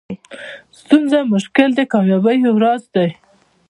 ستونزه او مشکل د کامیابۍ یو راز دئ.